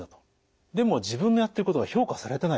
でも自分のやってることが評価されてない。